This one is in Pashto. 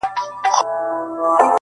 میکده څه نن یې پیر را سره خاندي,